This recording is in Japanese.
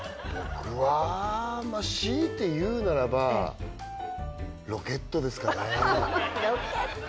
僕は強いて言うならばロケットですかねロケット？